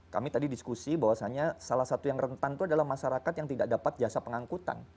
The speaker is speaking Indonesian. kami tadi diskusi bahwasannya salah satu yang rentan itu adalah masyarakat yang tidak dapat jasa pengangkutan